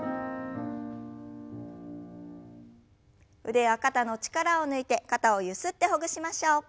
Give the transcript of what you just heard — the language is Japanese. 腕や肩の力を抜いて肩をゆすってほぐしましょう。